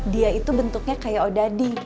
dia itu bentuknya kayak odadi